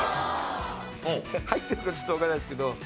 入ってるかちょっとわからないですけど。